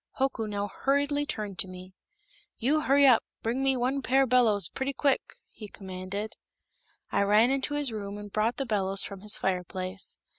Hoku now hurriedly turned to me. "You hully up, bling me one pair bellows pletty quick!" he commanded. I ran into his room and brought the bellows from his fireplace.